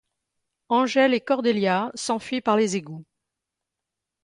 Angel et Cordelia s'enfuient par les égouts.